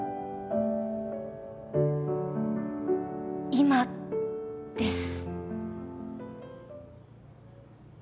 今です